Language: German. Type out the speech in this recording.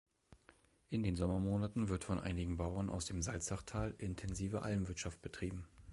In den Sommermonaten wird von einigen Bauern aus dem Salzachtal intensive Almwirtschaft betrieben.